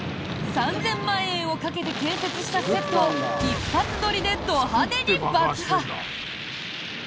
３０００万円をかけて建設したセットを一発撮りでド派手に爆破。